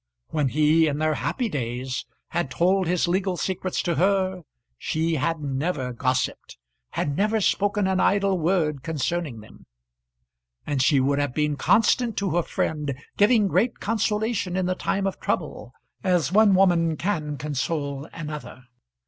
When he, in their happy days, had told his legal secrets to her, she had never gossiped, had never spoken an idle word concerning them. And she would have been constant to her friend, giving great consolation in the time of trouble, as one woman can console another.